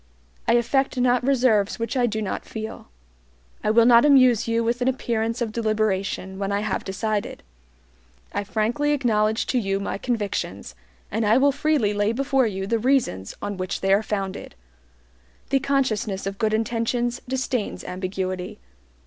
I affect not reserves which I do not feel. I will not amuse you with an appearance of deliberation when I have decided. I frankly acknowledge to you my convictions, and I will freely lay before you the reasons on which they are founded. The consciousness of good intentions disdains ambiguity.